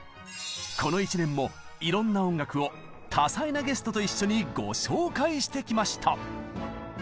この１年もいろんな音楽を多彩なゲストと一緒にご紹介してきました！